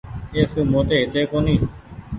اي سون موٽي هيتي ڪونيٚ۔